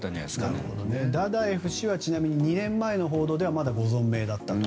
ちなみにダダエフ氏は２年前の報道ではまだご存命だったと。